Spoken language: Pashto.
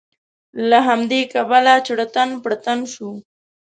له همدې کبله چړتن پړتن شو.